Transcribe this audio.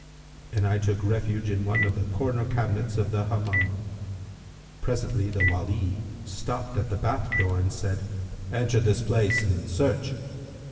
and I took refuge in one of the corner cabinets of the Hammam. Presently the Wali stopped at the bath door and said, 'Enter this place and search.'